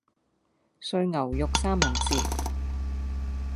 碎牛肉三文治